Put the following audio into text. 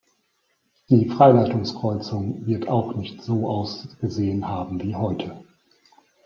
Die Freileitungskreuzung wird auch nicht so ausgesehen haben wie heute.